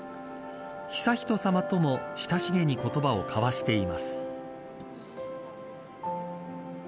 悠仁さまとも親しげに言葉を交わしています。